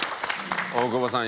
大久保さん